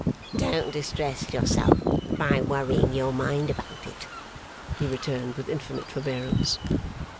'Don't distress yourself by worrying your mind about it,' he returned, with infinite forbearance.